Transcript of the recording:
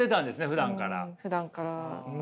ふだんから。